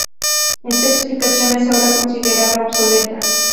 Esta explicación es ahora considerada obsoleta.